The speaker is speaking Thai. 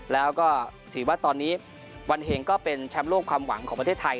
แล้วก็ถือว่าตอนนี้วันเฮงก็เป็นแชมป์โลกความหวังของประเทศไทย